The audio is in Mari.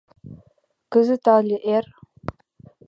Кызыт але эр.